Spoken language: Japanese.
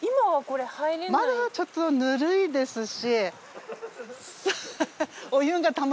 まだちょっとぬるいですし。